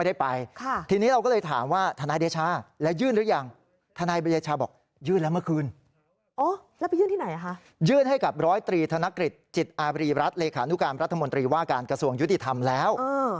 รัฐเลขานุกรรมรัฐมนตรีว่าการกระทรวงยุติธรรมแล้ว